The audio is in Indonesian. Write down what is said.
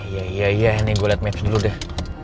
iya iya iya nih gue liat maps dulu deh